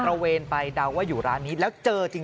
ระเวนไปเดาว่าอยู่ร้านนี้แล้วเจอจริง